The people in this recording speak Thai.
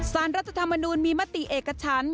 รัฐธรรมนูลมีมติเอกชั้น